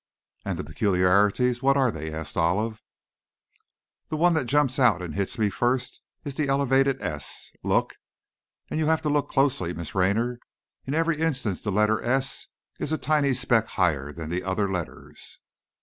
"And the peculiarities, what are they?" asked Olive. "The one that jumps out and hits me first is the elevated s. Look, and you have to look closely, Miss Raynor, in every instance the letter s is a tiny speck higher than the other letters."